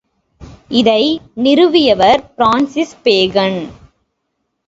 இதை நிறுவியவர் பிரான்சிஸ் பேகன்.